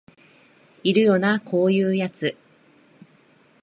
いるよなこういうやつ